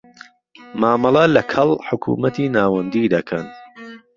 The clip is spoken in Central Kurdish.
مامەڵە لەکەڵ حکومەتی ناوەندی دەکەن.